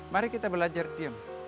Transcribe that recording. mari kita belajar diam